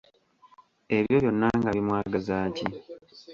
Ebyo byonna nga bimwagaza ki?